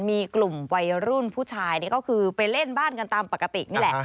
มีกลุ่มวัยรุ่นผู้ชายนี่ก็คือไปเล่นบ้านกันตามปกตินี่แหละ